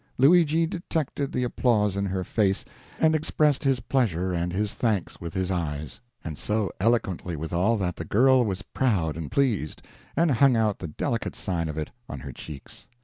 Luigi detected the applause in her face, and expressed his pleasure and his thanks with his eyes; and so eloquently withal, that the girl was proud and pleased, and hung out the delicate sign of it on her cheeks.